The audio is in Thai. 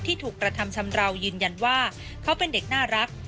ถูกกระทำชำราวยืนยันว่าเขาเป็นเด็กน่ารัก